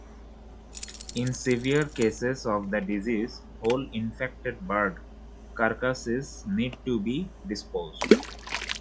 In severe cases of the disease whole infected bird carcasses need to be disposed.